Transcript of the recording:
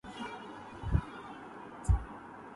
نہ سہی ہم سے‘ پر اس بت میں وفا ہے تو سہی